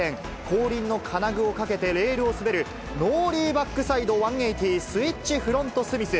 後輪の金具をかけてレールを滑る、ノーリーバックサイド１８０スイッチフロントスミス。